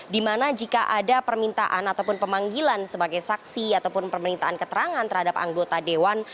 dimana jika ada permintaan ataupun pemanggilan sebagai saksi ataupun permintaan keterangan terhadap anggota dewan